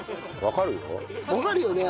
わかるよ。